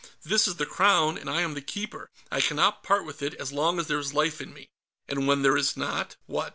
"This is the Crown, and I am the Keeper; I cannot part with it as long as there is life in me." "And when there is not, what?